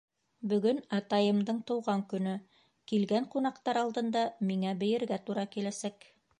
Бөгөн атайымдың тыуған көнө, килгән ҡунаҡтар алдында миңә бейергә тура киләсәк.